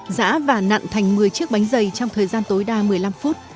dạ và nặn thành một mươi chiếc bánh dày trong thời gian tối đa một mươi năm phút